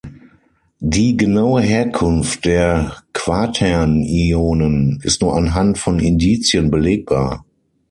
Die genaue Herkunft der Quaternionen ist nur anhand von Indizien belegbar.